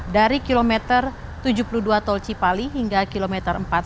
dari kilometer tujuh puluh dua tol cipali hingga kilometer empat puluh satu